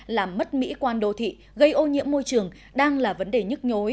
làm mất mỹ quan đô thị gây ô nhiễm môi trường đang là vấn đề nhức nhối